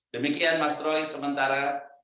demikian mas roy sementara